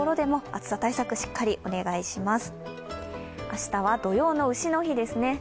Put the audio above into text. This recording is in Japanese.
明日は土用のうしの日ですね。